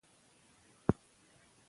میرویس خان د ایران د ظلمونو پر ضد ودرېدی.